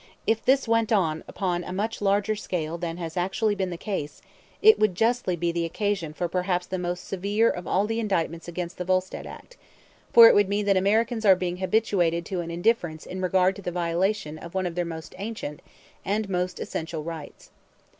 I f this went on upon a much larger scale than has actually been the case, it would justly be the occasion for perhaps the most severe of all the indictments against the Volstead act; for it would mean that Americans are being habituated to indifference in regard to the violation of one of their most ancient and most essential rights.